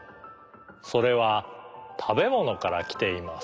それはたべものからきています。